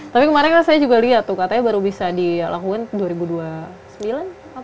tapi kemarin kan saya juga lihat tuh katanya baru bisa dilakukan dua ribu sembilan